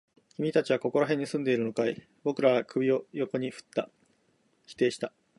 君たちはここら辺に住んでいるのかい？僕らは首を横に振った。否定した。